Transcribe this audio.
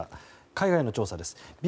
海外の調査です。